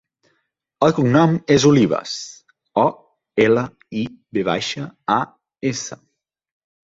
El cognom és Olivas: o, ela, i, ve baixa, a, essa.